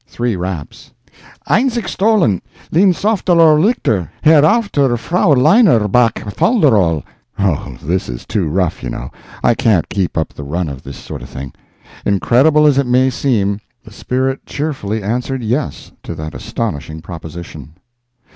Three raps. "Einzig stollen, linsowftterowlickter hairowfterfrowleineruback folderol?" (Oh, this is too rough, you know. I can't keep the run of this sort of thing.) Incredible as it may seem, the spirit cheerfully answered yes to that astonishing proposition.